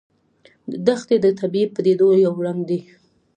دښتې د طبیعي پدیدو یو رنګ دی.